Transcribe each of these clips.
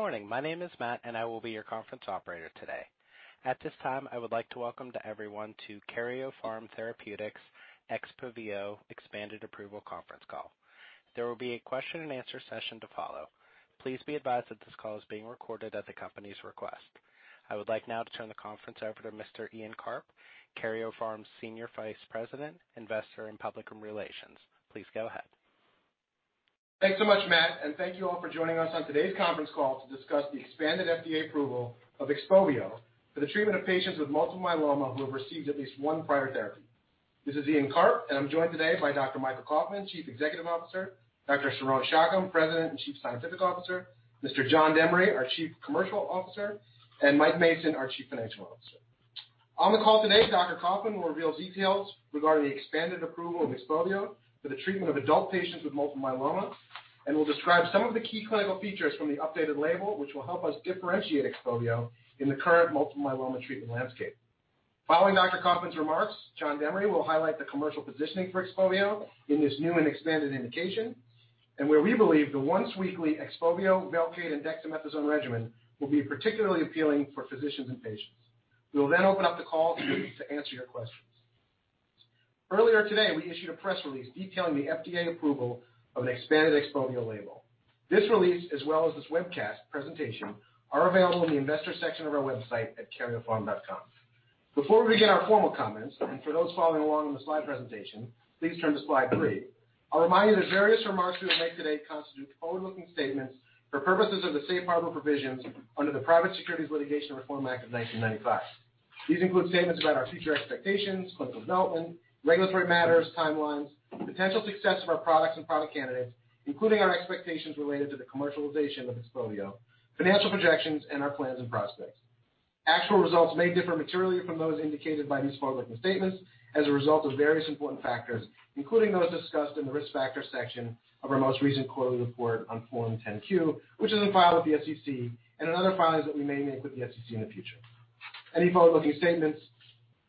Good morning. My name is Matt. I will be your conference operator today. At this time, I would like to welcome everyone to Karyopharm Therapeutics' XPOVIO expanded approval conference call. There will be a question-and-answer session to follow. Please be advised that this call is being recorded at the company's request. I would like now to turn the conference over to Mr. Ian Karp, Karyopharm's Senior Vice President, Investor and Public Relations. Please go ahead. Thanks so much, Matt, thank you all for joining us on today's conference call to discuss the expanded FDA approval of XPOVIO for the treatment of patients with multiple myeloma who have received at least one prior therapy. This is Ian Karp, and I'm joined today by Dr. Michael Kauffman, Chief Executive Officer, Dr. Sharon Shacham, President and Chief Scientific Officer, Mr. Sohanya Cheng, our Chief Commercial Officer, and Michael Mason, our Chief Financial Officer. On the call today, Dr. Kauffman will reveal details regarding the expanded approval of XPOVIO for the treatment of adult patients with multiple myeloma and will describe some of the key clinical features from the updated label, which will help us differentiate XPOVIO in the current multiple myeloma treatment landscape. Following Dr. Kauffman's remarks, Sohanya Cheng will highlight the commercial positioning for XPOVIO in this new and expanded indication and where we believe the once-weekly XPOVIO, Velcade and dexamethasone regimen will be particularly appealing for physicians and patients. We will then open up the call to answer your questions. Earlier today, we issued a press release detailing the FDA approval of an expanded XPOVIO label. This release, as well as this webcast presentation, are available in the investor section of our website at karyopharm.com. Before we begin our formal comments, for those following along on the slide presentation, please turn to slide three. I'll remind you that various remarks we will make today constitute forward-looking statements for purposes of the safe harbor provisions under the Private Securities Litigation Reform Act of 1995. These include statements about our future expectations, clinical development, regulatory matters, timelines, potential success of our products and product candidates, including our expectations related to the commercialization of XPOVIO, financial projections, and our plans and prospects. Actual results may differ materially from those indicated by these forward-looking statements as a result of various important factors, including those discussed in the Risk Factors section of our most recent quarterly report on Form 10-Q, which has been filed with the SEC and in other filings that we may make with the SEC in the future. Any forward-looking statements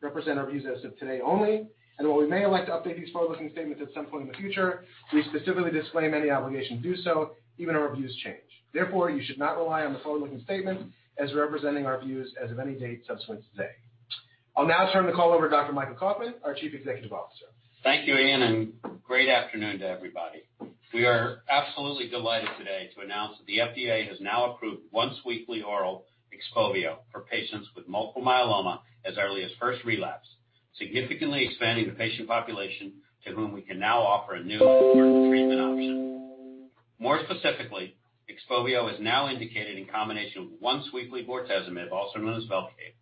represent our views as of today only, and while we may elect to update these forward-looking statements at some point in the future, we specifically disclaim any obligation to do so, even if our views change. Therefore, you should not rely on the forward-looking statements as representing our views as of any date subsequent to today. I'll now turn the call over to Dr. Michael Kauffman, our Chief Executive Officer. Thank you, Ian, and great afternoon to everybody. We are absolutely delighted today to announce that the FDA has now approved once-weekly oral XPOVIO for patients with multiple myeloma as early as first relapse, significantly expanding the patient population to whom we can now offer a new important treatment option. More specifically, XPOVIO is now indicated in combination with once-weekly bortezomib, also known as Velcade,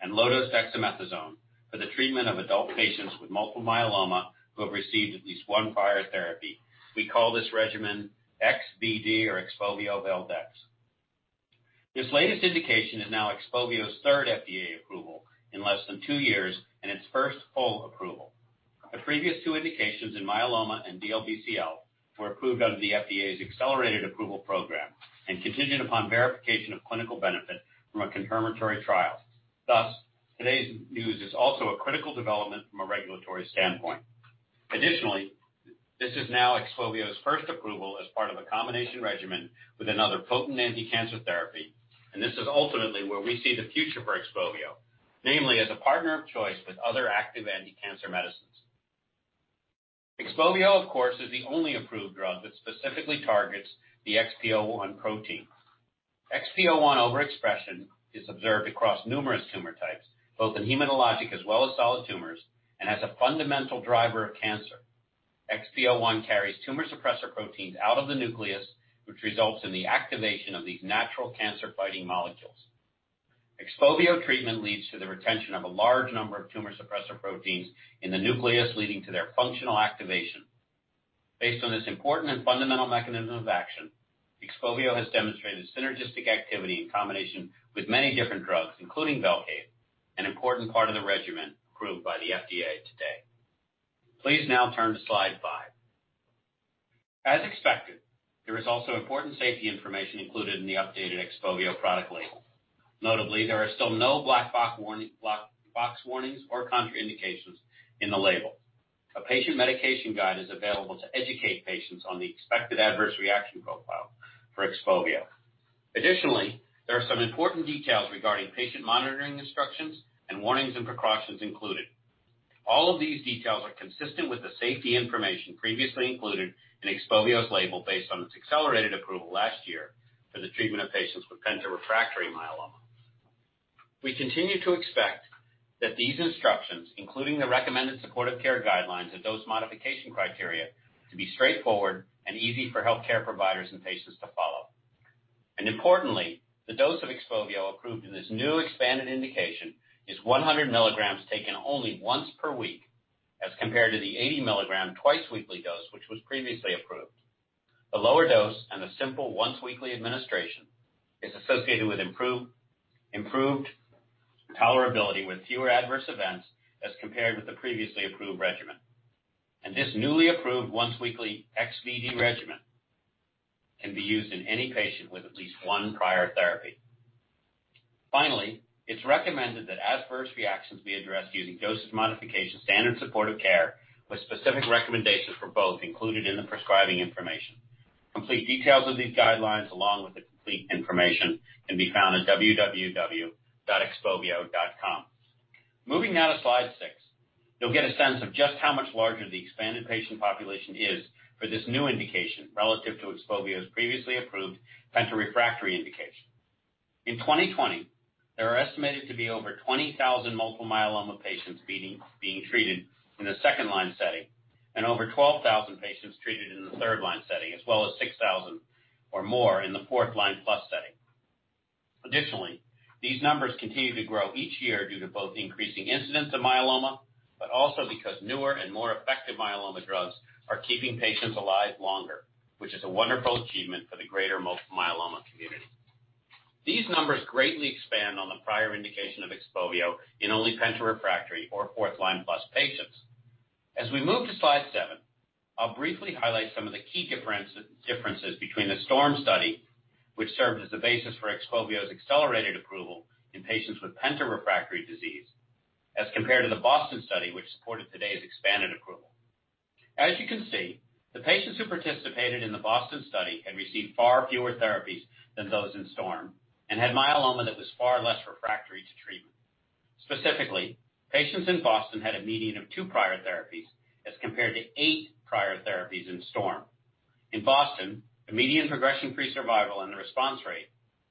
and low-dose dexamethasone for the treatment of adult patients with multiple myeloma who have received at least one prior therapy. We call this regimen XVD or XPOVIO-Vel-Dex. This latest indication is now XPOVIO's third FDA approval in less than two years and its first full approval. The previous two indications in myeloma and DLBCL were approved under the FDA's accelerated approval program and contingent upon verification of clinical benefit from a confirmatory trial. Today's news is also a critical development from a regulatory standpoint. Additionally, this is now XPOVIO's first approval as part of a combination regimen with another potent anticancer therapy, and this is ultimately where we see the future for XPOVIO, namely as a partner of choice with other active anticancer medicines. XPOVIO, of course, is the only approved drug that specifically targets the XPO1 protein. XPO1 overexpression is observed across numerous tumor types, both in hematologic as well as solid tumors, and as a fundamental driver of cancer. XPO1 carries tumor suppressor proteins out of the nucleus, which results in the activation of these natural cancer-fighting molecules. XPOVIO treatment leads to the retention of a large number of tumor suppressor proteins in the nucleus, leading to their functional activation. Based on this important and fundamental mechanism of action, XPOVIO has demonstrated synergistic activity in combination with many different drugs, including Velcade, an important part of the regimen approved by the FDA today. Please now turn to slide five. As expected, there is also important safety information included in the updated XPOVIO product label. Notably, there are still no black box warnings or contraindications in the label. A patient medication guide is available to educate patients on the expected adverse reaction profile for XPOVIO. Additionally, there are some important details regarding patient monitoring instructions and warnings and precautions included. All of these details are consistent with the safety information previously included in XPOVIO's label based on its accelerated approval last year for the treatment of patients with penta-refractory myeloma. We continue to expect that these instructions, including the recommended supportive care guidelines and dose modification criteria, to be straightforward and easy for healthcare providers and patients to follow. Importantly, the dose of XPOVIO approved in this new expanded indication is 100 mg taken only once per week, as compared to the 80 mg twice-weekly dose, which was previously approved. The lower dose and the simple once-weekly administration is associated with improved tolerability with fewer adverse events as compared with the previously approved regimen. This newly approved once-weekly XVD regimen can be used in any patient with at least one prior therapy. Finally, it's recommended that adverse reactions be addressed using dosage modification standard supportive care with specific recommendations for both included in the prescribing information. Complete details of these guidelines, along with the complete information, can be found at www.xpovio.com. Moving now to slide six, you'll get a sense of just how much larger the expanded patient population is for this new indication relative to XPOVIO's previously approved penta-refractory indication. In 2020, there are estimated to be over 20,000 multiple myeloma patients being treated in a second-line setting and over 12,000 patients treated in the third-line setting, as well as 6,000 or more in the fourth-line+ setting. Additionally, these numbers continue to grow each year due to both the increasing incidence of myeloma, but also because newer and more effective myeloma drugs are keeping patients alive longer, which is a wonderful achievement for the greater multiple myeloma community. These numbers greatly expand on the prior indication of XPOVIO in only penta-refractory or fourth-line-plus patients. As we move to slide seven, I'll briefly highlight some of the key differences between the STORM study, which served as the basis for XPOVIO's accelerated approval in patients with penta-refractory disease, as compared to the BOSTON study, which supported today's expanded approval. As you can see, the patients who participated in the BOSTON study had received far fewer therapies than those in STORM and had myeloma that was far less refractory to treatment. Specifically, patients in BOSTON had a median of two prior therapies as compared to eight prior therapies in STORM. In BOSTON, the median progression-free survival and the response rate,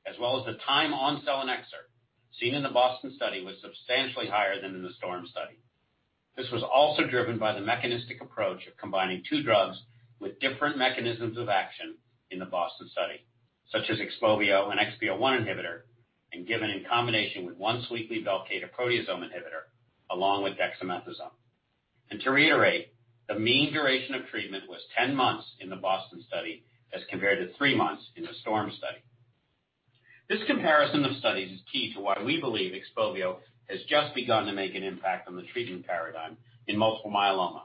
as well as the time on selinexor seen in the BOSTON study, was substantially higher than in the STORM study. This was also driven by the mechanistic approach of combining two drugs with different mechanisms of action in the BOSTON study, such as XPOVIO, an XPO1 inhibitor, given in combination with once-weekly Velcade, a proteasome inhibitor, along with dexamethasone. To reiterate, the mean duration of treatment was 10 months in the BOSTON study as compared to three months in the STORM study. This comparison of studies is key to why we believe XPOVIO has just begun to make an impact on the treatment paradigm in multiple myeloma.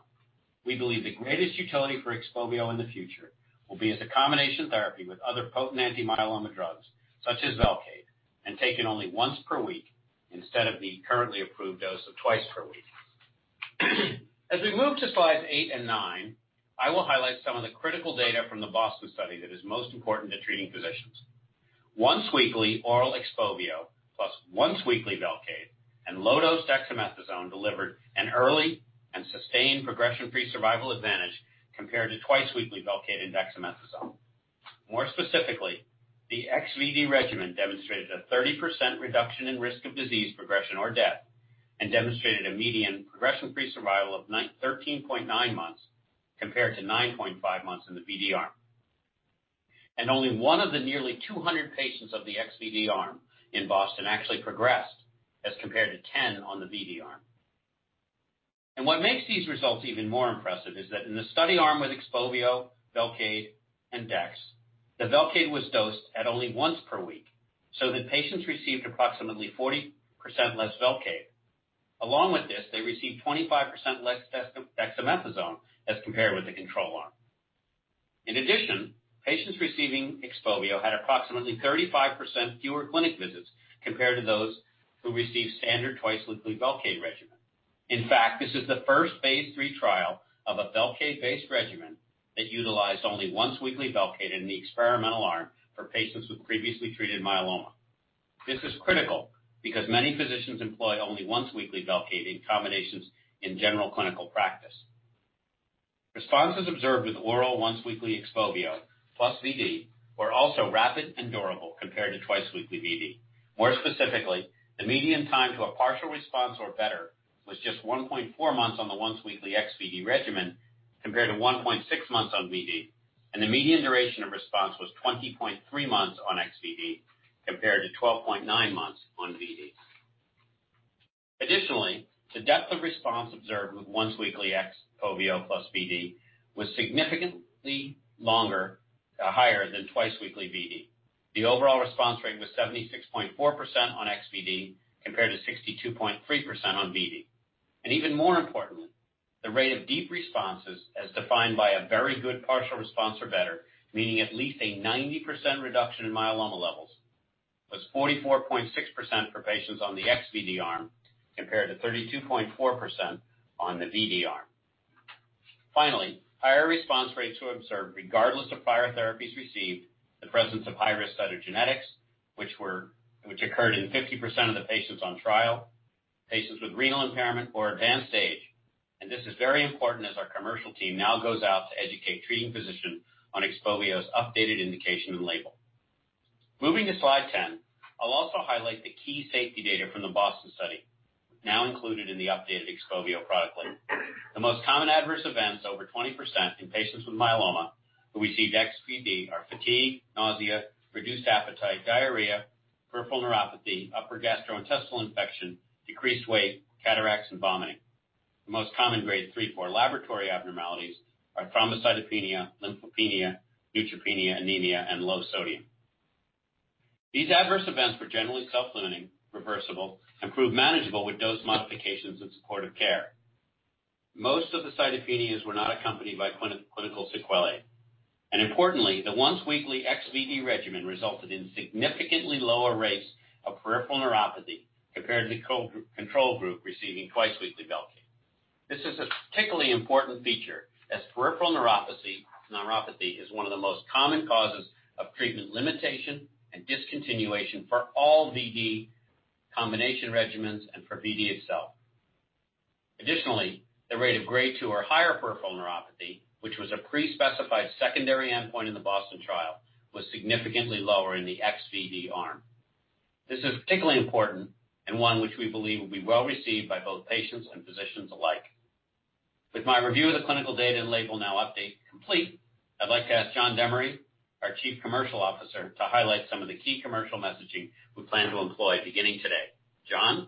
We believe the greatest utility for XPOVIO in the future will be as a combination therapy with other potent anti-myeloma drugs, such as Velcade, and taken only once per week instead of the currently approved dose of twice per week. As we move to slides eight and nine, I will highlight some of the critical data from the BOSTON study that is most important to treating physicians. Once-weekly oral XPOVIO plus once-weekly Velcade and low-dose dexamethasone delivered an early and sustained progression-free survival advantage compared to twice-weekly Velcade and dexamethasone. More specifically, the XVD regimen demonstrated a 30% reduction in risk of disease progression or death and demonstrated a median progression-free survival of 13.9 months compared to 9.5 months in the VD arm. Only one of the nearly 200 patients of the XVD arm in BOSTON actually progressed, as compared to 10 on the VD arm. What makes these results even more impressive is that in the study arm with XPOVIO, Velcade, and dex, the Velcade was dosed at only once per week, so the patients received approximately 40% less Velcade. Along with this, they received 25% less dexamethasone as compared with the control arm. In addition, patients receiving XPOVIO had approximately 35% fewer clinic visits compared to those who received standard twice-weekly Velcade regimen. In fact, this is the first phase III trial of a Velcade-based regimen that utilized only once-weekly Velcade in the experimental arm for patients with previously treated myeloma. This is critical because many physicians employ only once-weekly Velcade in combinations in general clinical practice. Responses observed with oral once-weekly XPOVIO plus VD were also rapid and durable compared to twice-weekly VD. More specifically, the median time to a partial response or better was just 1.4 months on the once-weekly XVD regimen compared to 1.6 months on VD, and the median duration of response was 20.3 months on XVD compared to 12.9 months on VD. Additionally, the depth of response observed with once-weekly XPOVIO plus VD was significantly longer, higher than twice-weekly VD. The overall response rate was 76.4% on XVD compared to 62.3% on VD. Even more importantly, the rate of deep responses as defined by a very good partial response or better, meaning at least a 90% reduction in myeloma levels, was 44.6% for patients on the XVD arm compared to 32.4% on the VD arm. Finally, higher response rates were observed regardless of prior therapies received, the presence of high-risk cytogenetics, which occurred in 50% of the patients on trial, patients with renal impairment or advanced age, and this is very important as our commercial team now goes out to educate treating physicians on XPOVIO's updated indication and label. Moving to slide 10, I'll also highlight the key safety data from the BOSTON study, now included in the updated XPOVIO product label. The most common adverse events, over 20%, in patients with myeloma who received XVD are fatigue, nausea, reduced appetite, diarrhea, peripheral neuropathy, upper gastrointestinal infection, decreased weight, cataracts, and vomiting. The most common Grade 3/4 laboratory abnormalities are thrombocytopenia, lymphopenia, neutropenia, anemia, and low sodium. These adverse events were generally self-limiting, reversible, and proved manageable with dose modifications and supportive care. Most of the cytopenias were not accompanied by clinical sequelae. Importantly, the once-weekly XVD regimen resulted in significantly lower rates of peripheral neuropathy compared to the control group receiving twice-weekly Velcade. This is a particularly important feature, as peripheral neuropathy is one of the most common causes of treatment limitation and discontinuation for all VD combination regimens and for VD itself. The rate of Grade 2 or higher peripheral neuropathy, which was a pre-specified secondary endpoint in the BOSTON trial, was significantly lower in the XVD arm. This is particularly important and one which we believe will be well-received by both patients and physicians alike. With my review of the clinical data and label now update complete, I'd like to ask Sohanya Cheng, our Chief Commercial Officer, to highlight some of the key commercial messaging we plan to employ beginning today. Cheng?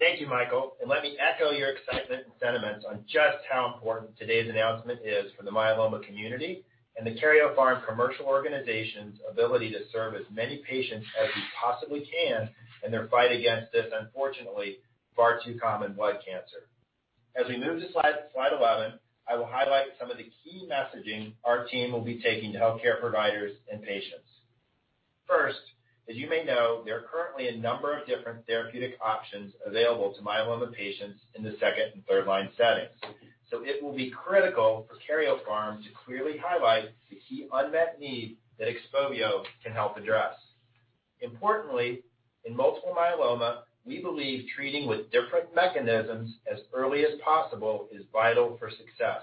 Thank you, Michael, and let me echo your excitement and sentiments on just how important today's announcement is for the myeloma community and the Karyopharm commercial organization's ability to serve as many patients as we possibly can in their fight against this unfortunately far too common blood cancer. As we move to slide 11, I will highlight some of the key messaging our team will be taking to healthcare providers and patients. First, as you may know, there are currently a number of different therapeutic options available to myeloma patients in the second and third-line settings. It will be critical for Karyopharm to clearly highlight the key unmet need that XPOVIO can help address. Importantly, in multiple myeloma, we believe treating with different mechanisms as early as possible is vital for success.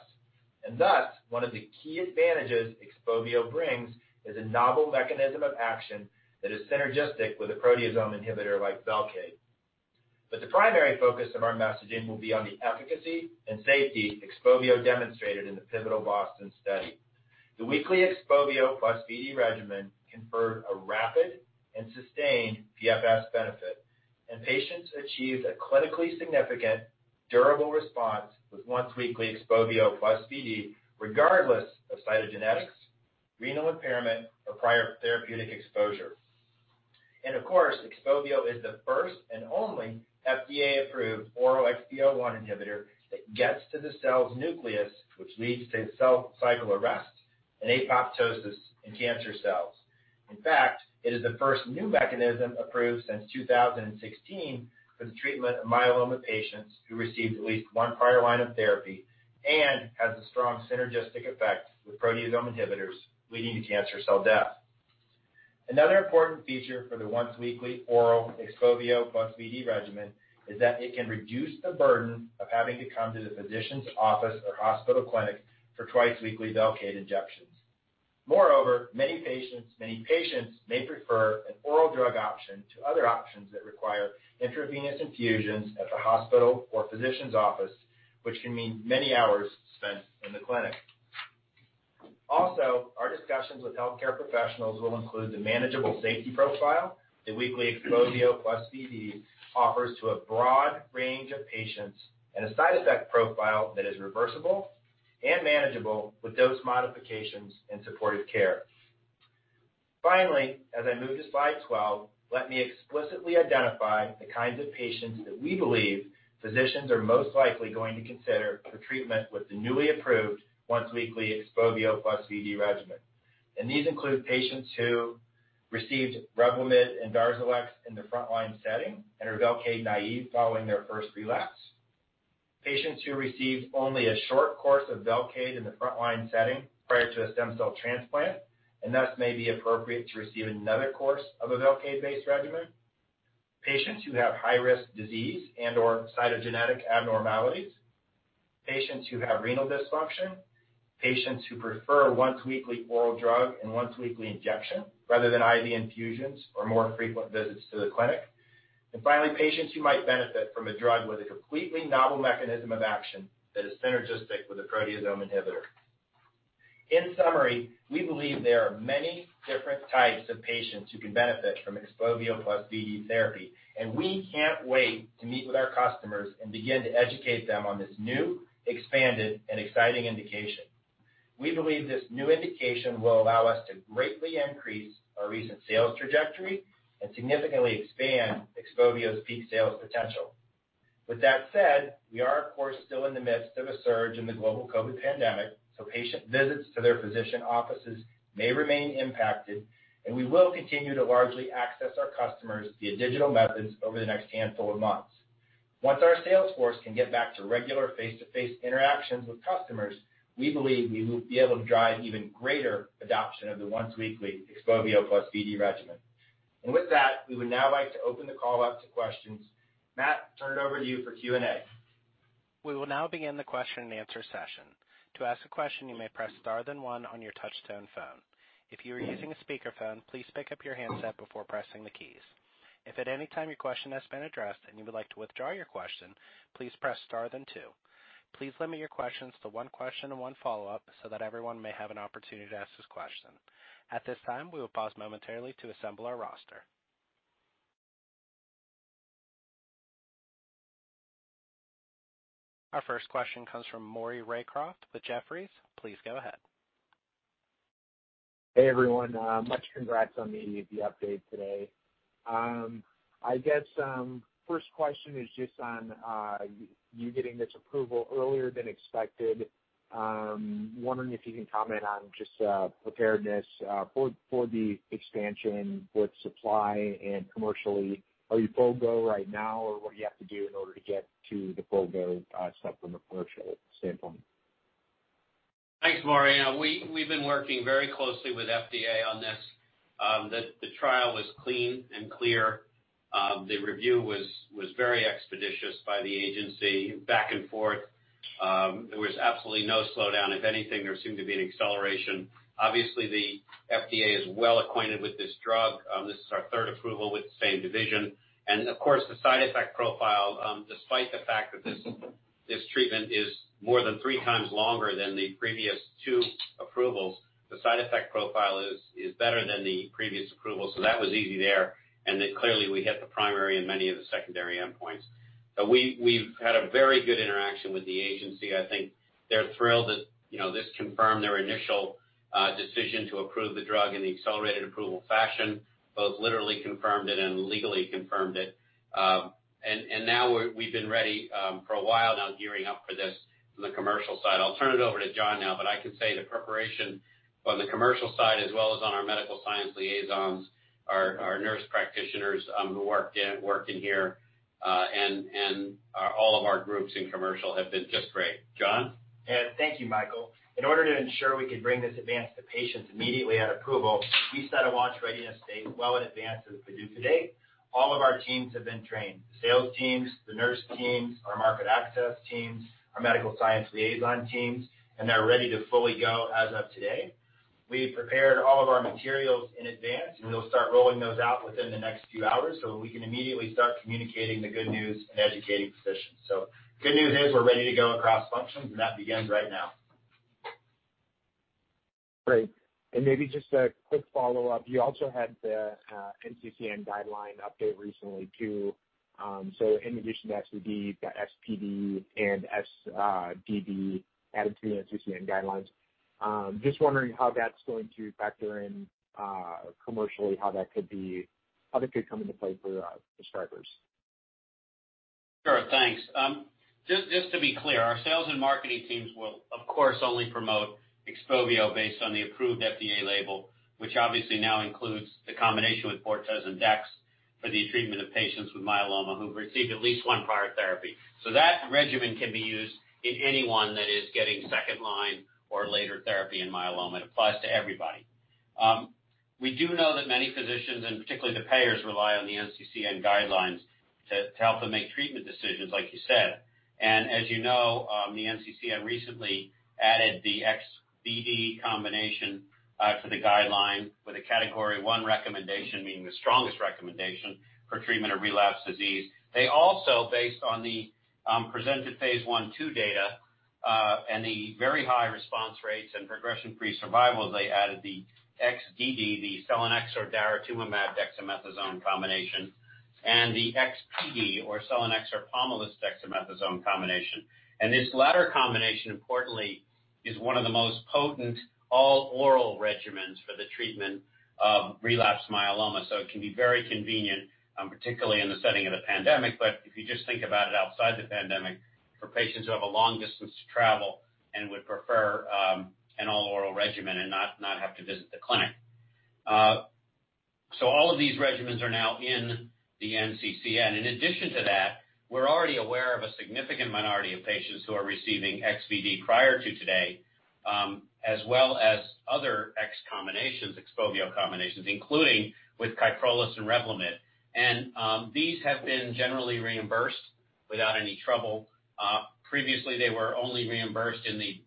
Thus, one of the key advantages XPOVIO brings is a novel mechanism of action that is synergistic with a proteasome inhibitor like Velcade. The primary focus of our messaging will be on the efficacy and safety XPOVIO demonstrated in the pivotal BOSTON study. The weekly XPOVIO plus VD regimen conferred a rapid and sustained PFS benefit, and patients achieved a clinically significant durable response with once-weekly XPOVIO plus VD, regardless of cytogenetics, renal impairment, or prior therapeutic exposure. Of course, XPOVIO is the first and only FDA-approved oral XPO1 inhibitor that gets to the cell's nucleus, which leads to cell cycle arrest and apoptosis in cancer cells. In fact, it is the first new mechanism approved since 2016 for the treatment of myeloma patients who received at least one prior line of therapy and has a strong synergistic effect with proteasome inhibitors, leading to cancer cell death. Another important feature for the once-weekly oral XPOVIO plus VD regimen is that it can reduce the burden of having to come to the physician's office or hospital clinic for twice-weekly Velcade injections. Moreover, many patients may prefer an oral drug option to other options that require intravenous infusions at the hospital or physician's office, which can mean many hours spent in the clinic. Also, our discussions with healthcare professionals will include the manageable safety profile the weekly XPOVIO plus VD offers to a broad range of patients and a side effect profile that is reversible and manageable with dose modifications and supportive care. Finally, as I move to slide 12, let me explicitly identify the kinds of patients that we believe physicians are most likely going to consider for treatment with the newly approved once-weekly XPOVIO plus VD regimen. These include patients who received REVLIMID and DARZALEX in the frontline setting and are Velcade naive following their first relapse. Patients who received only a short course of Velcade in the frontline setting prior to a stem cell transplant, and thus may be appropriate to receive another course of a Velcade-based regimen. Patients who have high-risk disease and/or cytogenetic abnormalities, patients who have renal dysfunction, patients who prefer once-weekly oral drug and once-weekly injection rather than IV infusions or more frequent visits to the clinic. Finally, patients who might benefit from a drug with a completely novel mechanism of action that is synergistic with a proteasome inhibitor. In summary, we believe there are many different types of patients who can benefit from XPOVIO plus VD therapy, and we can't wait to meet with our customers and begin to educate them on this new, expanded, and exciting indication. We believe this new indication will allow us to greatly increase our recent sales trajectory and significantly expand XPOVIO's peak sales potential. With that said, we are, of course, still in the midst of a surge in the global COVID pandemic, so patient visits to their physician offices may remain impacted, and we will continue to largely access our customers via digital methods over the next handful of months. Once our sales force can get back to regular face-to-face interactions with customers, we believe we will be able to drive even greater adoption of the once-weekly XPOVIO plus VD regimen. With that, we would now like to open the call up to questions. Matt, turn it over to you for Q&A. We will now begin the question-and-answer session. To ask a question, you may press star then one on your touchtone phone. If you are using a speakerphone, please pick up your handset before pressing the keys. If at any time your question has been addressed and you would like to withdraw your question, please press star then two. Please limit your questions to one question and one follow-up so that everyone may have an opportunity to ask this question. At this time, we will pause momentarily to assemble our roster. Our first question comes from Maury Raycroft with Jefferies. Please go ahead. Hey, everyone. Much congrats on the update today. I guess first question is just on you getting this approval earlier than expected. Wondering if you can comment on just preparedness for the expansion, both supply and commercially. Are you full go right now, or what do you have to do in order to get to the full go stuff from a commercial standpoint? Thanks, Maury. We've been working very closely with FDA on this. The trial was clean and clear. The review was very expeditious by the agency back and forth. There was absolutely no slowdown. If anything, there seemed to be an acceleration. Obviously, the FDA is well acquainted with this drug. This is our third approval with the same division. Of course, the side effect profile, despite the fact that this treatment is more than three times longer than the previous two approvals, the side effect profile is better than the previous approval. That was easy there. Clearly we hit the primary and many of the secondary endpoints. We've had a very good interaction with the agency. I think they're thrilled that this confirmed their initial decision to approve the drug in the accelerated approval fashion, both literally confirmed it and legally confirmed it. Now we've been ready for a while now, gearing up for this from the commercial side. I'll turn it over to Cheng now, but I can say the preparation on the commercial side as well as on our medical science liaisons, our nurse practitioners who work in here, and all of our groups in commercial have been just great. Cheng? Yeah. Thank you, Michael. In order to ensure we could bring this advance to patients immediately at approval, we set a launch readiness date well in advance of the due date. All of our teams have been trained, the sales teams, the nurse teams, our market access teams, our medical science liaison teams, and they're ready to fully go as of today. We prepared all of our materials in advance, and we'll start rolling those out within the next few hours so that we can immediately start communicating the good news and educating physicians. Good news is we're ready to go across functions, and that begins right now. Great. Maybe just a quick follow-up. You also had the NCCN guideline update recently, too. In addition to XVD, you've got XPD and XDD added to the NCCN guidelines. Just wondering how that's going to factor in commercially, how that could come into play for prescribers. Sure. Thanks. Just to be clear, our sales and marketing teams will, of course, only promote XPOVIO based on the approved FDA label, which obviously now includes the combination with bortezomib dex for the treatment of patients with myeloma who've received at least one prior therapy. That regimen can be used in anyone that is getting second-line or later therapy in myeloma. It applies to everybody. We do know that many physicians, and particularly the payers, rely on the NCCN guidelines to help them make treatment decisions, like you said. As you know, the NCCN recently added the XVD combination to the guideline with a Category 1 recommendation, meaning the strongest recommendation for treatment of relapse disease. They also, based on the presented phase I/II data and the very high response rates and progression-free survivals, they added the XDD, the selinexor, daratumumab, dexamethasone combination, and the XPD or selinexor, pomalidomide, dexamethasone combination. This latter combination, importantly, is one of the most potent all-oral regimens for the treatment of relapsed myeloma. It can be very convenient, particularly in the setting of the pandemic, but if you just think about it outside the pandemic, for patients who have a long distance to travel and would prefer an all-oral regimen and not have to visit the clinic. All of these regimens are now in the NCCN. In addition to that, we're already aware of a significant minority of patients who are receiving XVD prior to today as well as other X combinations, XPOVIO combinations, including with KYPROLIS and REVLIMID, and these have been generally reimbursed without any trouble. Previously, they were only reimbursed in the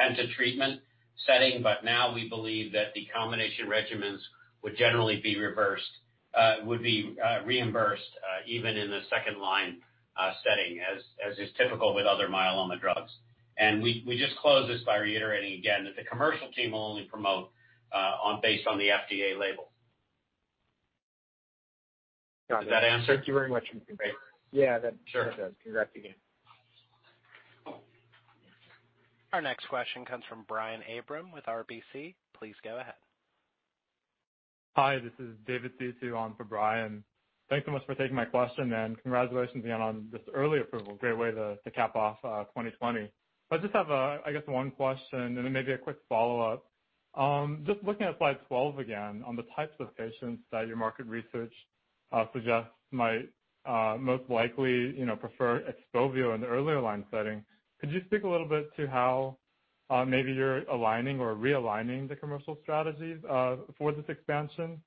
penta treatment setting, but now we believe that the combination regimens would be reimbursed even in the second-line setting, as is typical with other myeloma drugs. We just close this by reiterating again that the commercial team will only promote based on the FDA label. Got it. Does that answer? Thank you very much. Great. Yeah, that answers it. Sure. Congrats again. Our next question comes from Brian Abrahams with RBC. Please go ahead. Hi, this is David Dusu on for Brian. Thanks so much for taking my question. Congratulations again on this early approval. Great way to cap off 2020. I just have, I guess one question, and then maybe a quick follow-up. Just looking at slide 12 again on the types of patients that your market research suggests might most likely prefer XPOVIO in the earlier line setting, could you speak a little bit to how maybe you're aligning or realigning the commercial strategies for this expansion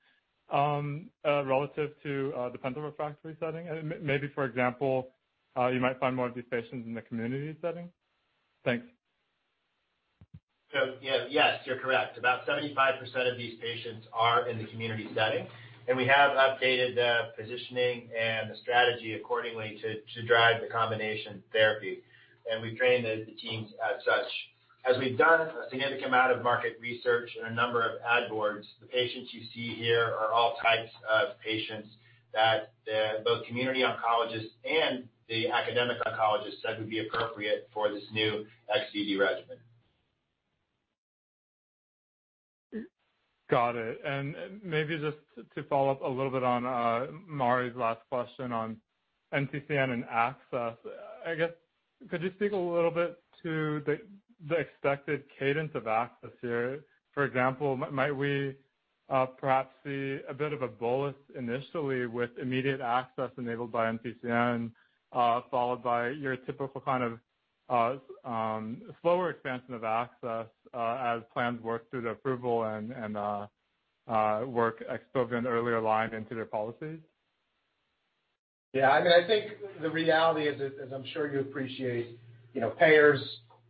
relative to the penta-refractory setting? Maybe, for example, you might find more of these patients in the community setting? Thanks. Yeah. Yes, you're correct. About 75% of these patients are in the community setting, and we have updated the positioning and the strategy accordingly to drive the combination therapy, and we've trained the teams as such. As we've done significant amount of market research and a number of ad boards, the patients you see here are all types of patients that both community oncologists and the academic oncologists said would be appropriate for this new XVD regimen. Got it. Maybe just to follow-up a little bit on Maury's last question on NCCN and access, I guess, could you speak a little bit to the expected cadence of access here? For example, might we perhaps see a bit of a bolus initially with immediate access enabled by NCCN, followed by your typical kind of slower expansion of access as plans work through the approval and work XPOVIO earlier line into their policies? I think the reality is, as I'm sure you appreciate, payers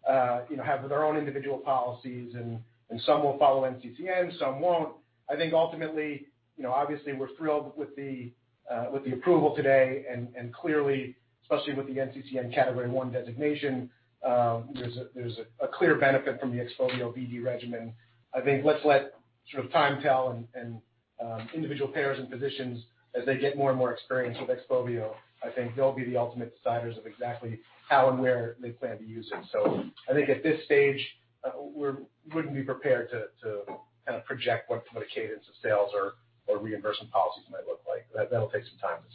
have their own individual policies and some will follow NCCN, some won't. Ultimately, obviously, we're thrilled with the approval today, and clearly, especially with the NCCN Category 1 designation, there's a clear benefit from the XPOVIO VD regimen. Let's let time tell and individual payers and physicians, as they get more and more experience with XPOVIO, they'll be the ultimate deciders of exactly how and where they plan to use it. At this stage, we wouldn't be prepared to project what a cadence of sales or reimbursement policies might look like. That'll take some time to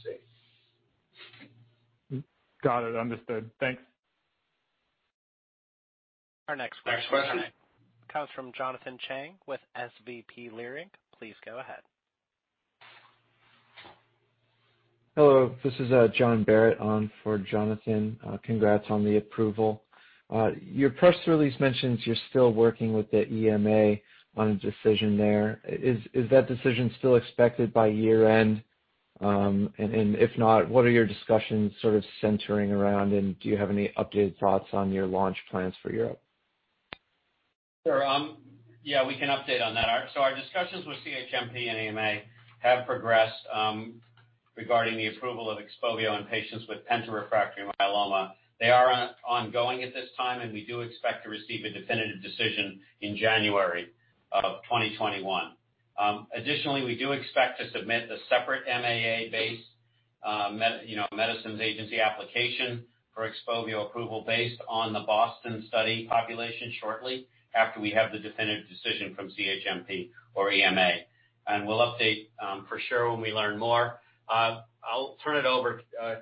see. Got it. Understood. Thanks. Our next question comes from Jonathan Chang with SVB Leerink. Please go ahead. Hello, this is John Barrett on for Jonathan. Congrats on the approval. Your press release mentions you're still working with the EMA on a decision there. Is that decision still expected by year-end? If not, what are your discussions sort of centering around, and do you have any updated thoughts on your launch plans for Europe? Sure. Yeah, we can update on that. Our discussions with CHMP and EMA have progressed regarding the approval of XPOVIO in patients with penta-refractory myeloma. They are ongoing at this time, and we do expect to receive a definitive decision in January of 2021. Additionally, we do expect to submit the separate MAA-based, medicines agency application for XPOVIO approval based on the BOSTON study population shortly after we have the definitive decision from CHMP or EMA. We'll update for sure when we learn more. I'll turn it over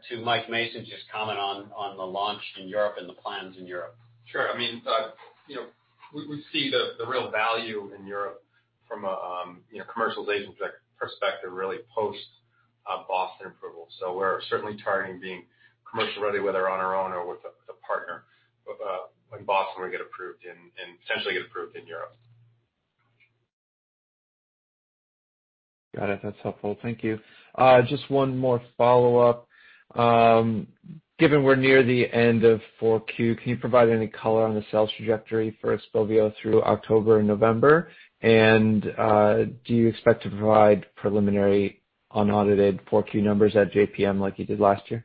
to Mike Mason to just comment on the launch in Europe and the plans in Europe. Sure. We see the real value in Europe from a commercialization perspective, really post-BOSTON approval. We're certainly targeting being commercial ready, whether on our own or with a partner when BOSTON will get approved and essentially get approved in Europe. Got it. That's helpful. Thank you. Just one more follow-up. Given we're near the end of 4Q, can you provide any color on the sales trajectory for XPOVIO through October and November? Do you expect to provide preliminary unaudited 4Q numbers at JPM like you did last year.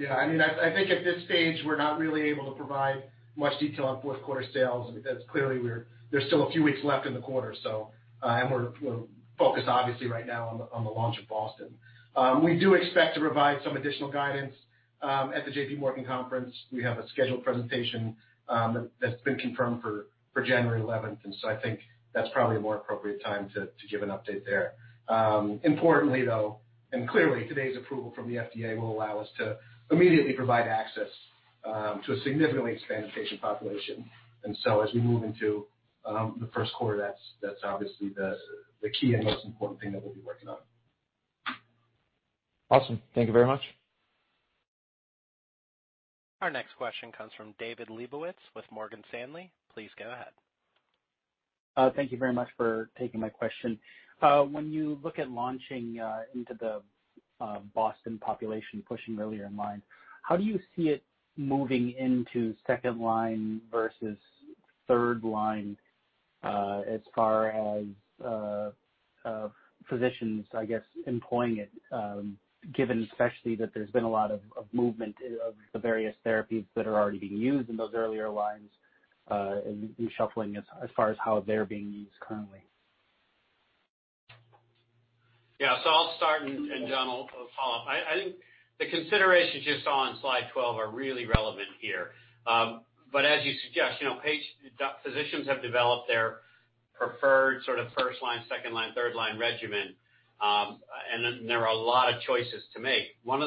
Yeah, I think at this stage, we're not really able to provide much detail on Q4 sales because clearly there's still a few weeks left in the quarter. We're focused obviously right now on the launch of BOSTON. We do expect to provide some additional guidance at the J.P. Morgan conference. We have a scheduled presentation that's been confirmed for January 11th, I think that's probably a more appropriate time to give an update there. Importantly, though, clearly today's approval from the FDA will allow us to immediately provide access to a significantly expanded patient population. As we move into the Q1, that's obviously the key and most important thing that we'll be working on. Awesome. Thank you very much. Our next question comes from David Lebowitz with Morgan Stanley. Please go ahead. Thank you very much for taking my question. When you look at launching into the BOSTON population pushing earlier in line, how do you see it moving into second line versus third line as far as physicians, I guess, employing it, given especially that there's been a lot of movement of the various therapies that are already being used in those earlier lines and shuffling as far as how they're being used currently? Yeah. I'll start and Cheng will follow-up. I think the considerations you saw on slide 12 are really relevant here. As you suggest, physicians have developed their preferred sort of first line, second line, third line regimen, and there are a lot of choices to make. Some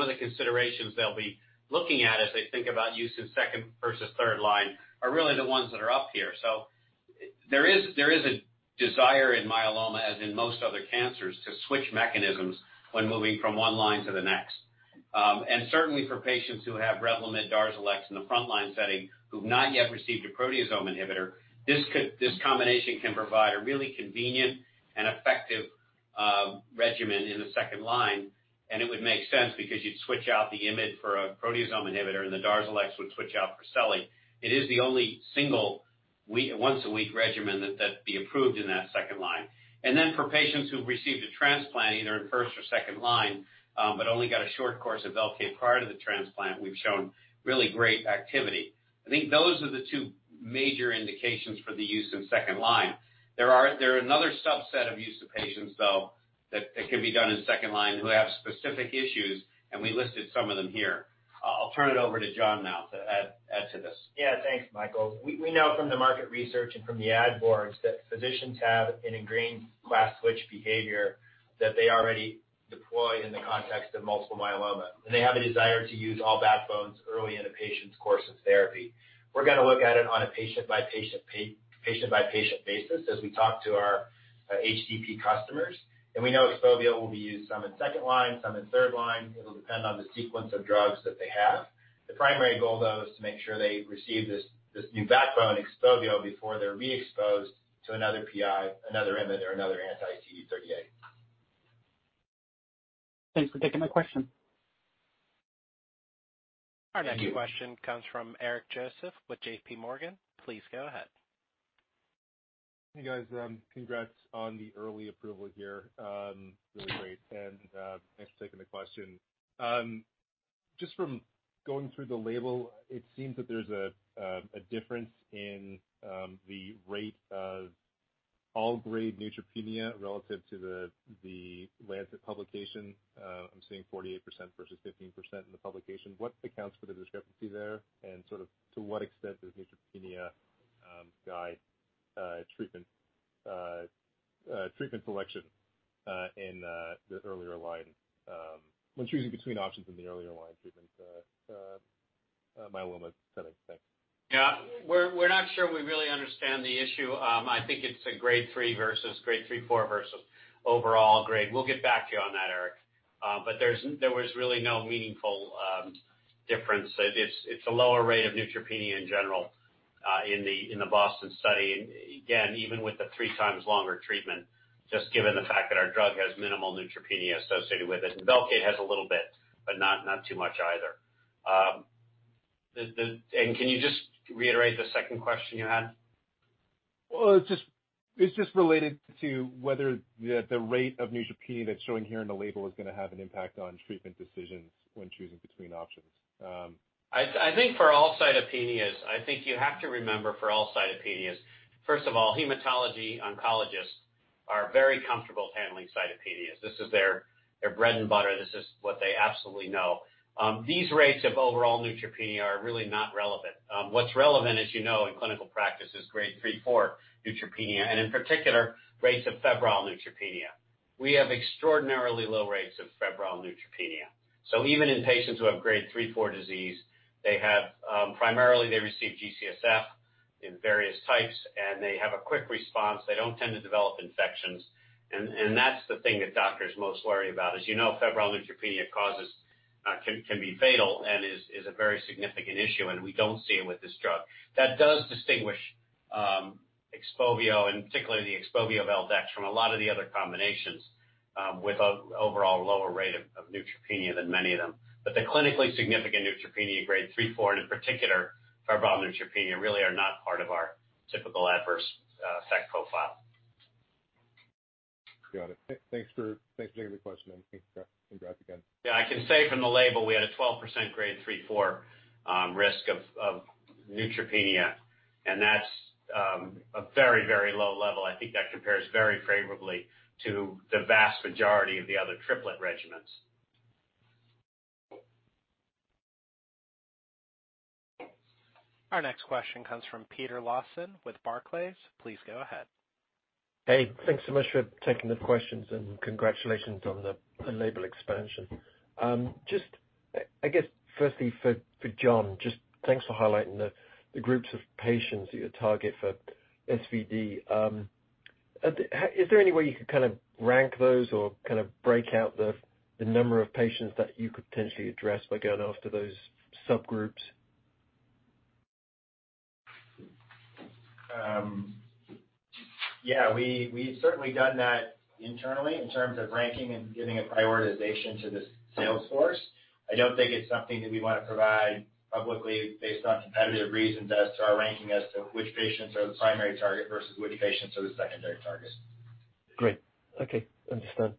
of the considerations they'll be looking at as they think about use in second versus third line are really the ones that are up here. There is a desire in myeloma, as in most other cancers, to switch mechanisms when moving from one line to the next. Certainly for patients who have REVLIMID, DARZALEX in the frontline setting who've not yet received a proteasome inhibitor, this combination can provide a really convenient and effective regimen in the second line, and it would make sense because you'd switch out the IMiD for a proteasome inhibitor, and the DARZALEX would switch out for selinexor. It is the only single once-a-week regimen that'd be approved in that second line. Then for patients who've received a transplant, either in first or second line, but only got a short course of Velcade prior to the transplant, we've shown really great activity. I think those are the two major indications for the use in second line. There are another subset of use of patients, though that can be done in second line who have specific issues, and we listed some of them here. I'll turn it over to Cheng now to add to this. Yeah. Thanks, Michael. We know from the market research and from the ad boards that physicians have an ingrained class switch behavior that they already deploy in the context of multiple myeloma, and they have a desire to use all backbones early in a patient's course of therapy. We're going to look at it on a patient-by-patient basis as we talk to our HCP customers, and we know XPOVIO will be used some in second line, some in third line. It'll depend on the sequence of drugs that they have. The primary goal, though, is to make sure they receive this new backbone, XPOVIO, before they're re-exposed to another PI, another IMiD, or another anti-CD38. Thanks for taking my question. Our next question comes from Eric Joseph with J.P. Morgan. Please go ahead. Hey, guys. Congrats on the early approval here. Really great, and thanks for taking the question. Just from going through the label, it seems that there's a difference in the rate of all grade neutropenia relative to The Lancet publication. I'm seeing 48% versus 15% in the publication. What accounts for the discrepancy there? To what extent does neutropenia guide treatment selection in the earlier line when choosing between options in the earlier line treatment multiple myeloma setting? Thanks. Yeah. We're not sure we really understand the issue. I think it's a Grade 3 versus Grade 3/4 versus overall grade. We'll get back to you on that, Eric. There was really no meaningful difference. It's a lower rate of neutropenia in general in the BOSTON study. Again, even with the three times longer treatment, just given the fact that our drug has minimal neutropenia associated with it. Velcade has a little bit, but not too much either. Can you just reiterate the second question you had? Well, it's just related to whether the rate of neutropenia that's showing here in the label is going to have an impact on treatment decisions when choosing between options. I think you have to remember for all cytopenias, first of all, hematology oncologists are very comfortable handling cytopenias. This is their bread and butter. This is what they absolutely know. These rates of overall neutropenia are really not relevant. What's relevant, as you know, in clinical practice, is Grade 3/4 neutropenia and, in particular, rates of febrile neutropenia. We have extraordinarily low rates of febrile neutropenia. Even in patients who have Grade 3/4 disease, primarily they receive G-CSF in various types, and they have a quick response. They don't tend to develop infections, and that's the thing that doctors most worry about. As you know, febrile neutropenia can be fatal and is a very significant issue, and we don't see it with this drug. That does distinguish XPOVIO, and particularly the XPOVIO-Vd, from a lot of the other combinations, with an overall lower rate of neutropenia than many of them. The clinically significant neutropenia, Grade 3/4, and in particular, febrile neutropenia, really are not part of our typical adverse effect profile. Got it. Thanks for taking the question, and congrats again. I can say from the label, we had a 12% Grade 3/4 risk of neutropenia, and that's a very low level. I think that compares very favorably to the vast majority of the other triplet regimens. Our next question comes from Peter Lawson with Barclays. Please go ahead. Hey, thanks so much for taking the questions, and congratulations on the label expansion. Just, I guess firstly for Cheng, just thanks for highlighting the groups of patients that you target for SVd. Is there any way you could rank those or break out the number of patients that you could potentially address by going after those subgroups? We've certainly done that internally in terms of ranking and giving a prioritization to the sales force. I don't think it's something that we want to provide publicly based on competitive reasons as to our ranking as to which patients are the primary target versus which patients are the secondary targets. Great. Okay. Understand.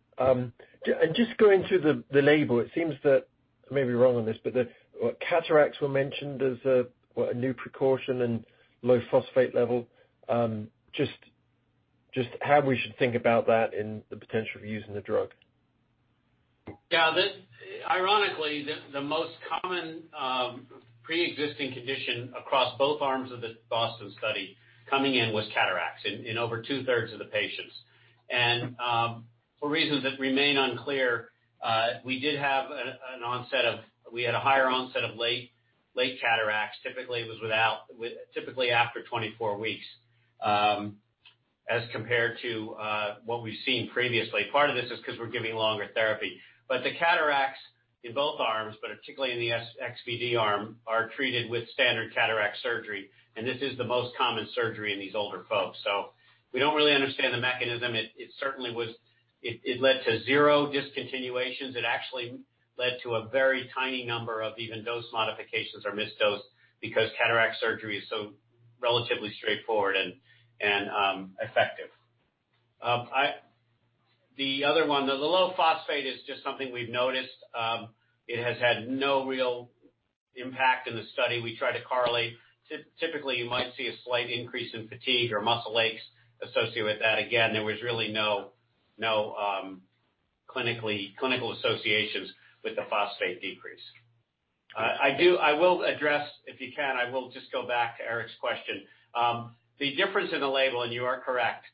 Just going through the label, it seems that, I may be wrong on this, but cataracts were mentioned as a new precaution and low phosphate level. Just how we should think about that in the potential of using the drug. Yeah. Ironically, the most common preexisting condition across both arms of the BOSTON study coming in was cataracts in over two-thirds of the patients. For reasons that remain unclear, we had a higher onset of late cataracts, typically after 24 weeks, as compared to what we've seen previously. Part of this is because we're giving longer therapy, the cataracts in both arms, but particularly in the XVD arm, are treated with standard cataract surgery, and this is the most common surgery in these older folks. We don't really understand the mechanism. It led to zero discontinuations. It actually led to a very tiny number of even dose modifications or missed dose because cataract surgery is so relatively straightforward and effective. The other one, the low phosphate is just something we've noticed. It has had no real impact in the study. We try to correlate. Typically, you might see a slight increase in fatigue or muscle aches associated with that. Again, there was really no clinical associations with the phosphate decrease. I will address, if you can, I will just go back to Eric's question. The difference in the label, you are correct,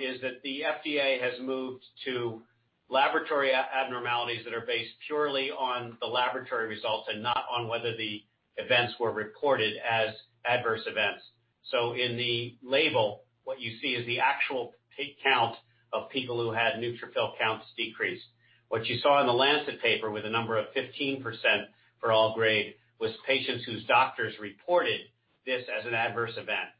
is that the FDA has moved to laboratory abnormalities that are based purely on the laboratory results and not on whether the events were reported as adverse events. In the label, what you see is the actual count of people who had neutrophil counts decreased. What you saw in The Lancet paper with a number of 15% for all grade, was patients whose doctors reported this as an adverse event.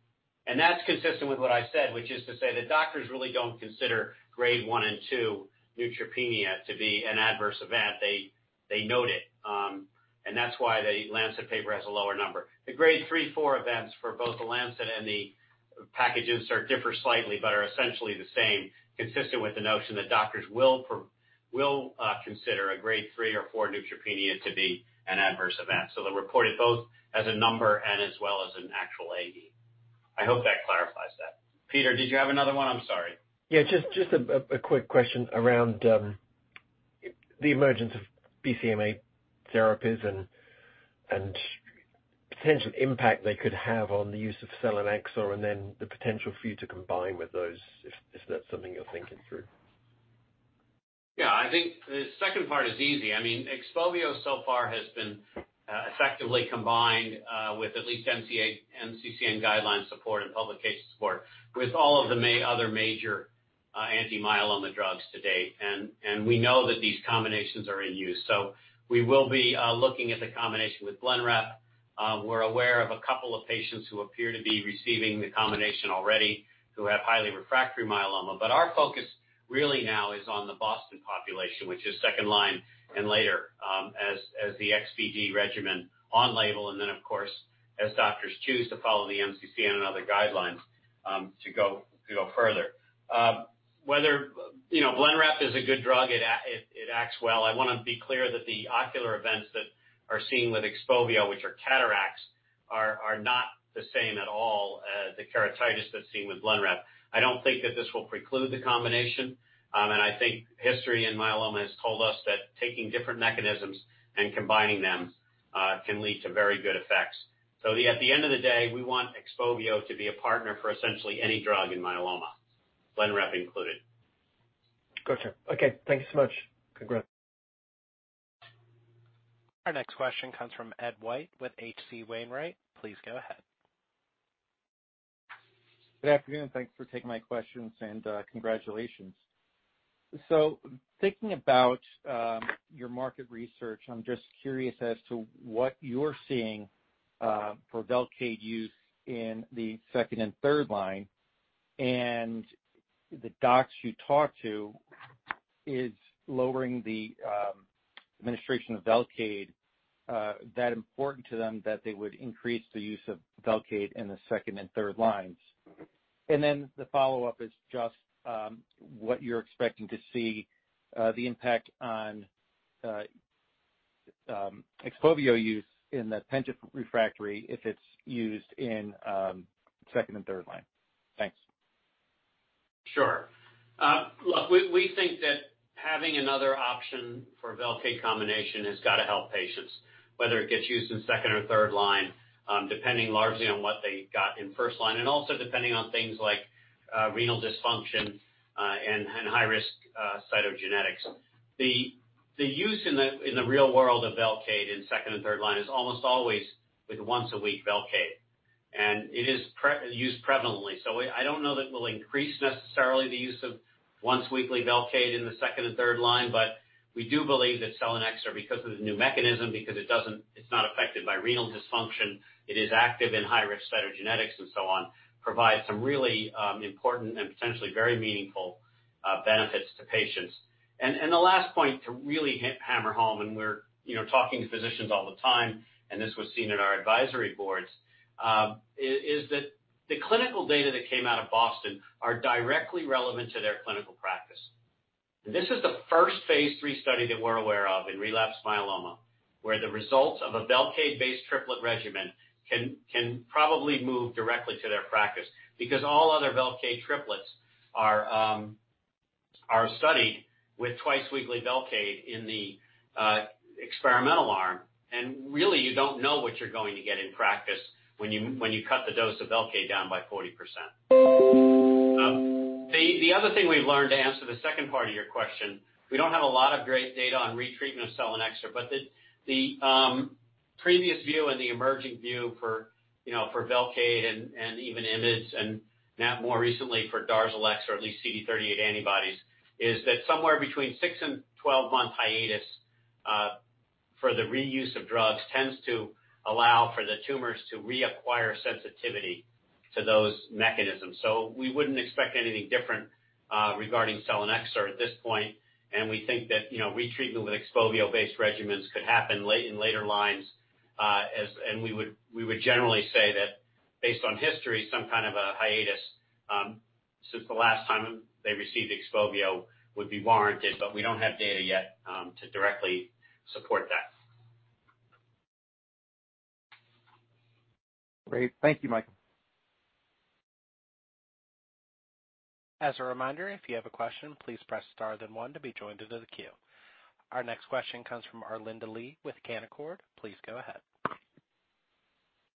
That's consistent with what I said, which is to say that doctors really don't consider Grade 1 and 2 neutropenia to be an adverse event. They note it. That's why The Lancet paper has a lower number. The Grade 3/4 events for both The Lancet and the packages differ slightly but are essentially the same, consistent with the notion that doctors will consider a Grade 3/4 neutropenia to be an adverse event. They're reported both as a number and as well as an actual AE. I hope that clarifies that. Peter, did you have another one? I'm sorry. Yeah, just a quick question around the emergence of BCMA therapies and potential impact they could have on the use of selinexor, and then the potential for you to combine with those, if that's something you're thinking through. I think the second part is easy. I mean, XPOVIO so far has been effectively combined with at least NCCN guideline support and publication support with all of the other major anti-myeloma drugs to-date. We know that these combinations are in use. We will be looking at the combination with BLENREP. We're aware of a couple of patients who appear to be receiving the combination already who have highly refractory myeloma. Our focus really now is on the BOSTON population, which is second-line and later as the XVD regimen on label, and of course, as doctors choose to follow the NCCN and other guidelines to go further. BLENREP is a good drug. It acts well. I want to be clear that the ocular events that are seen with XPOVIO, which are cataracts, are not the same at all as the keratitis that's seen with BLENREP. I don't think that this will preclude the combination, and I think history and myeloma has told us that taking different mechanisms and combining them can lead to very good effects. At the end of the day, we want XPOVIO to be a partner for essentially any drug in myeloma, BLENREP included. Got you. Okay. Thank you so much. Congrats. Our next question comes from Ed White with H.C. Wainwright. Please go ahead. Good afternoon. Thanks for taking my questions, and congratulations. Thinking about your market research, I'm just curious as to what you're seeing for Velcade use in the second and third line. The docs you talk to, is lowering the administration of Velcade that important to them that they would increase the use of Velcade in the second and third lines? The follow-up is just what you're expecting to see the impact on XPOVIO use in the penta-refractory if it's used in second and third line. Thanks. Sure. Look, we think that having another option for Velcade combination has got to help patients, whether it gets used in second or third line, depending largely on what they got in first line, and also depending on things like renal dysfunction and high-risk cytogenetics. The use in the real world of Velcade in second and third line is almost always with once-a-week Velcade. It is used prevalently. I don't know that we'll increase necessarily the use of once-weekly Velcade in the second and third line. We do believe that selinexor, because of the new mechanism, because it's not affected by renal dysfunction, it is active in high-risk cytogenetics and so on, provides some really important and potentially very meaningful benefits to patients. The last point to really hammer home, we're talking to physicians all the time, and this was seen at our advisory boards, is that the clinical data that came out of BOSTON are directly relevant to their clinical practice. This is the first phase III study that we're aware of in relapsed myeloma, where the results of a Velcade-based triplet regimen can probably move directly to their practice because all other Velcade triplets are studied with twice-weekly Velcade in the experimental arm, and really, you don't know what you're going to get in practice when you cut the dose of Velcade down by 40%. The other thing we've learned to answer the second part of your question, we don't have a lot of great data on retreatment of selinexor, but the previous view and the emerging view for Velcade and even IMiDs and now more recently for DARZALEX or at least CD38 antibodies, is that somewhere between six-12 months hiatus for the reuse of drugs tends to allow for the tumors to reacquire sensitivity to those mechanisms. We wouldn't expect anything different regarding selinexor at this point, and we think that retreatment with XPOVIO-based regimens could happen in later lines, and we would generally say that based on history, some kind of a hiatus since the last time they received XPOVIO would be warranted, we don't have data yet to directly support that. Great. Thank you, Michael. As a reminder, if you have a question, please press star then one to be joined into the queue. Our next question comes from Arlinda Lee with Canaccord. Please go ahead.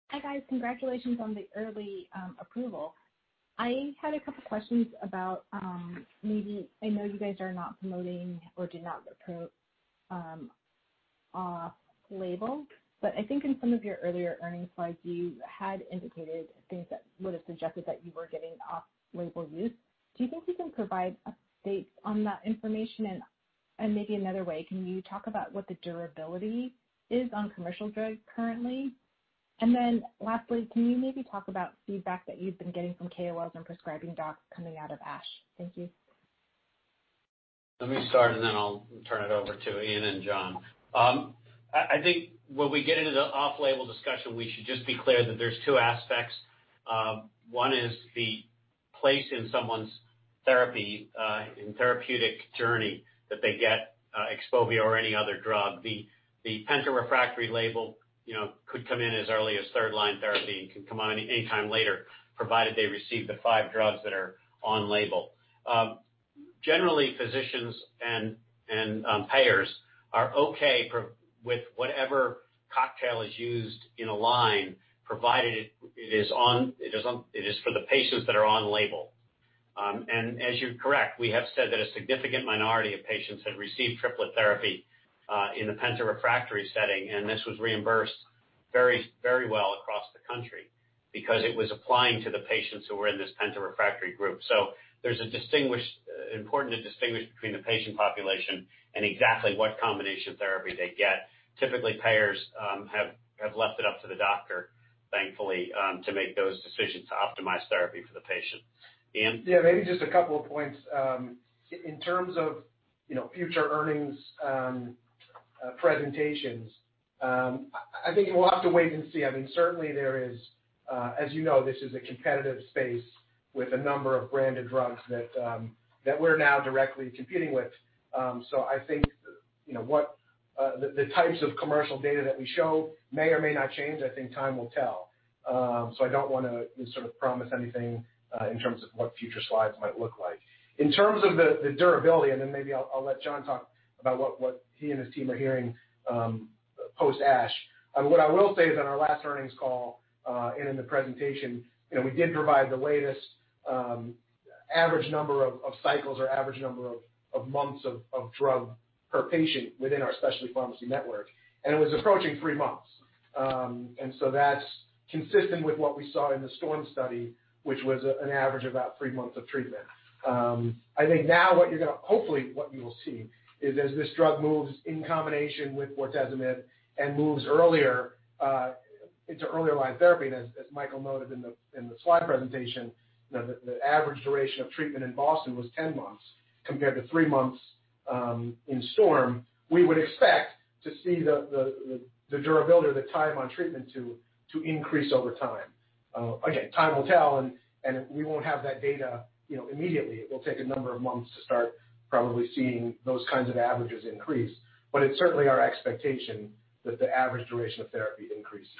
Hi, guys. Congratulations on the early approval. I had a couple questions about, I know you guys are not promoting or do not promote off-label. I think in some of your earlier earnings slides, you had indicated things that would've suggested that you were getting off-label use. Do you think you can provide updates on that information? Maybe another way, can you talk about what the durability is on commercial drug currently? Lastly, can you maybe talk about feedback that you've been getting from KOLs and prescribing docs coming out of ASH? Thank you. Let me start, then I'll turn it over to Ian and Cheng. I think when we get into the off-label discussion, we should just be clear that there's two aspects. One is the place in someone's therapy, in therapeutic journey that they get XPOVIO or any other drug. The penta-refractory label could come in as early as third-line therapy and can come on anytime later, provided they receive the five drugs that are on label. Generally, physicians and payers are okay with whatever cocktail is used in a line, provided it is for the patients that are on label. As you correct, we have said that a significant minority of patients have received triplet therapy, in the penta-refractory setting, and this was reimbursed very well across the country because it was applying to the patients who were in this penta-refractory group. There's important to distinguish between the patient population and exactly what combination therapy they get. Typically, payers have left it up to the doctor, thankfully, to make those decisions to optimize therapy for the patient. Ian? Maybe just a couple of points. In terms of future earnings presentations, I think we'll have to wait and see. Certainly there is, as you know, this is a competitive space with a number of branded drugs that we're now directly competing with. I think the types of commercial data that we show may or may not change. I think time will tell. I don't want to sort of promise anything, in terms of what future slides might look like. In terms of the durability, maybe I'll let Cheng talk about what he and his team are hearing, post ASH. What I will say is on our last earnings call, and in the presentation, we did provide the latest average number of cycles or average number of months of drug per patient within our specialty pharmacy network, and it was approaching three months. That's consistent with what we saw in the STORM study, which was an average of about three months of treatment. I think now what you're going to, hopefully, what you'll see is as this drug moves in combination with bortezomib and moves earlier into earlier line therapy, and as Michael noted in the slide presentation, the average duration of treatment in BOSTON was 10 months compared to three months in STORM. We would expect to see the durability or the time on treatment to increase over time. Again, time will tell, and we won't have that data immediately. It will take a number of months to start probably seeing those kinds of averages increase. It's certainly our expectation that the average duration of therapy increases.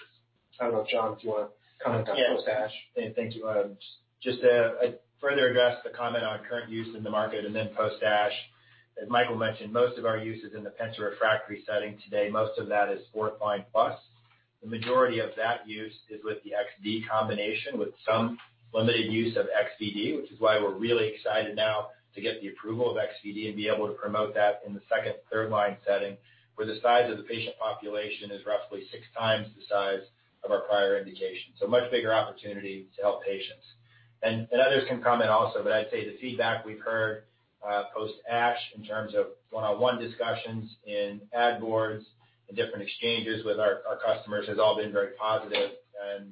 I don't know, Cheng, if you want to comment on post ASH. Thank you. Just to further address the comment on current use in the market and then post ASH, as Michael mentioned, most of our use is in the penta-refractory setting today. Most of that is fourth-line+. The majority of that use is with the XD combination, with some limited use of XVD, which is why we're really excited now to get the approval of XVD and be able to promote that in the second, third-line setting, where the size of the patient population is roughly 6x the size of our prior indication. A much bigger opportunity to help patients. Others can comment also, but I'd say the feedback we've heard post ASH in terms of one-on-one discussions in ad boards and different exchanges with our customers has all been very positive and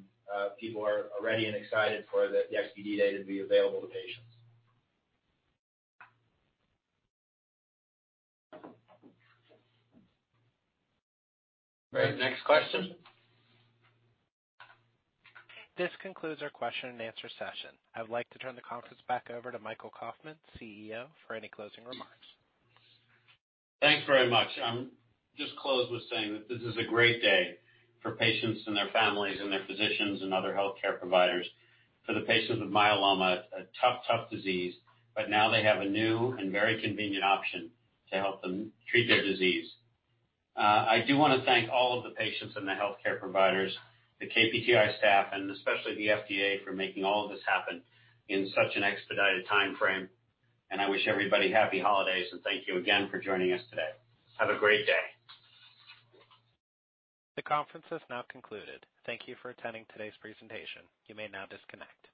people are ready and excited for the XVD data to be available to patients. Great. Next question. This concludes our question-and-answer session. I would like to turn the conference back over to Michael Kauffman, CEO, for any closing remarks. Thanks very much. I'll just close with saying that this is a great day for patients and their families and their physicians and other healthcare providers. For the patients with myeloma, a tough disease, but now they have a new and very convenient option to help them treat their disease. I do want to thank all of the patients and the healthcare providers, the KPTI staff, and especially the FDA for making all of this happen in such an expedited timeframe. I wish everybody happy holidays, and thank you again for joining us today. Have a great day. The conference is now concluded. Thank you for attending today's presentation. You may now disconnect.